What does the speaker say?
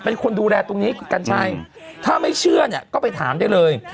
เป็นคนดูแลตรงนี้กัญชัยถ้าไม่เชื่อเนี่ยก็ไปถามได้เลย